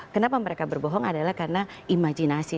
kenapa mereka berbohong adalah karena imajinasi